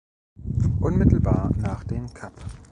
Unmittelbar nach den "Cap.